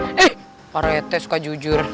eh pak rete suka jujur